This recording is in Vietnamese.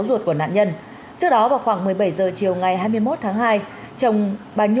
xin chào các bạn